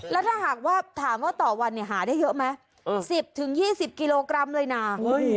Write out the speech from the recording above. แล้วถ้าหากว่าถามว่าต่อวันเนี่ยหาได้เยอะไหม๑๐๒๐กิโลกรัมเลยนะ